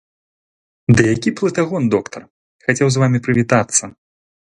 Ды які плытагон доктар, хацеў з вамі прывітацца.